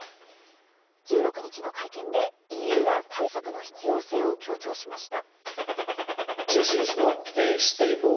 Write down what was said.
１６日の会見でＥＵは対策の必要性を強調しました。